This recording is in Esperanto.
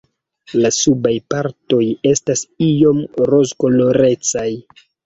La subaj partoj estas iom rozkolorecaj.